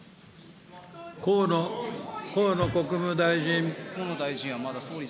河野国務大臣。